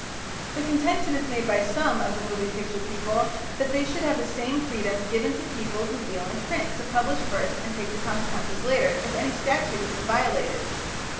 The contention is made by some of the moving picture people that they should have the same freedom given to people who deal in print to publish first and take the consequences later if any statute has been violated.